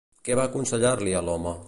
Què va aconsellar-li a l'home?